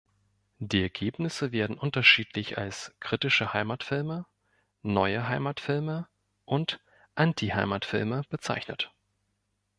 Die Ergebnisse werden unterschiedlich als „kritische Heimatfilme“, „neue Heimatfilme“, und „Anti-Heimatfilme“ bezeichnet.